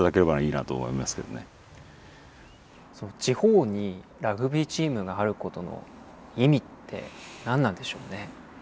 地方にラグビーチームがあることの意味って何なんでしょうね？